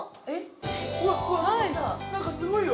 なんかすごいよ。